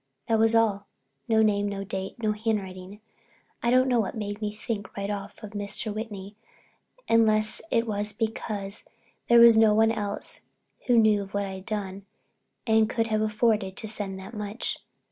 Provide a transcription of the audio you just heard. That was all—no name, no date, no handwriting. I don't know what made me think right off of Mr. Whitney, unless it was because there was no one else who knew of what I'd done and could have afforded to send that much.